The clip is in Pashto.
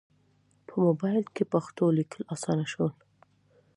په موبایل کې پښتو لیکل اسانه شوي.